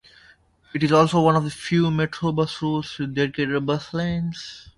It is also one of the few Metrobus routes with dedicated bus lanes.